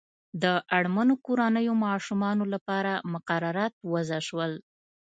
د اړمنو کورنیو ماشومانو لپاره مقررات وضع شول.